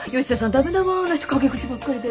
ダメだわあの人陰口ばっかりで。